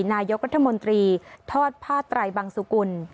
นายกรัฐมนตรีทอดผ้าไตรบังสุกุล